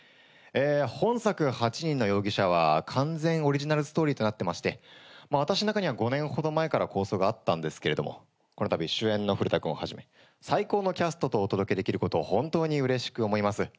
本作『８人の容疑者』は完全オリジナルストーリーとなってまして私の中には５年ほど前から構想があったんですけれどもこのたび主演のフルタ君をはじめ最高のキャストとお届けできることを本当にうれしく思います。